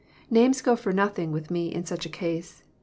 Names go for nothing with me in such a case.